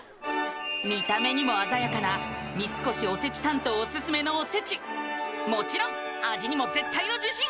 見た目にも鮮やかな三越おせち担当オススメのおせちもちろん味にも絶対の自信